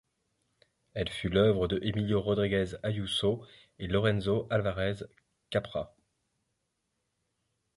Elle fut l’œuvre de Emilio Rodríguez Ayuso et Lorenzo Álvarez Capra.